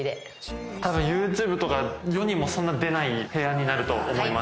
ＹｏｕＴｕｂｅとか世にも出ない部屋になると思います。